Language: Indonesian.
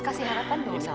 kasih harapan dong sama mama